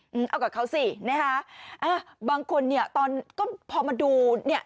อืมเอากับเขาสินะคะอ่าบางคนเนี่ยตอนก็พอมาดูเนี้ย